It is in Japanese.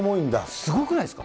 すごくないですか。